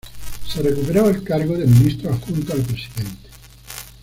Se recuperó el cargo de Ministro Adjunto al Presidente.